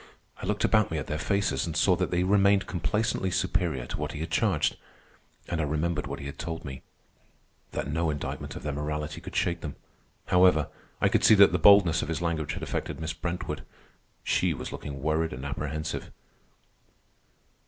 I looked about me at their faces and saw that they remained complacently superior to what he had charged. And I remembered what he had told me: that no indictment of their morality could shake them. However, I could see that the boldness of his language had affected Miss Brentwood. She was looking worried and apprehensive.